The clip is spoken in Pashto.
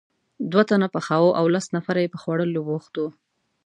دوه تنه پخاوه او لس نفره یې په خوړلو بوخت وو.